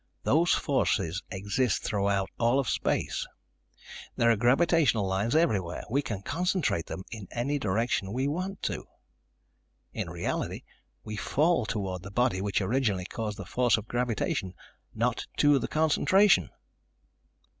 Those forces exist throughout all of space. There are gravitational lines everywhere. We can concentrate them in any direction we want to. In reality, we fall toward the body which originally caused the force of gravitation, not to the concentration."